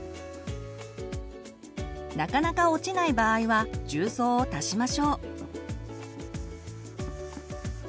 なかなか落ちない場合は重曹を足しましょう。